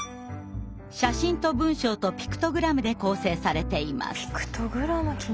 写真と文章とピクトグラムで構成されています。